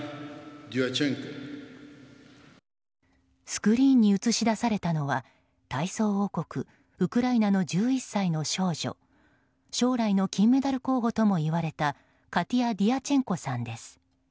スクリーンに映し出されたのは体操王国１１歳の少女将来の金メダル候補ともいわれたカティア・ディアチェンコさんです。